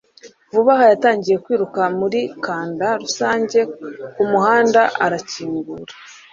vuba aha yatangiye kwiruka muri kanda rusange kumuhanda, arakingura